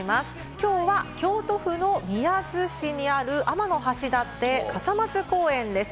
きょうは京都府の宮津市にある天橋立傘松公園です。